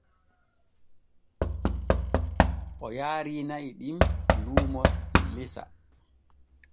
O yaari na'i ɗin luumo lesa.